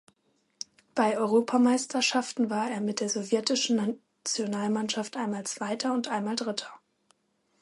Bei Europameisterschaften war er mit der sowjetischen Nationalmannschaft einmal Zweiter und einmal Dritter.